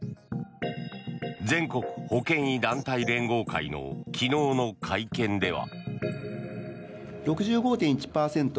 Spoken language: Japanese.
全国保険医団体連合会の昨日の会見では。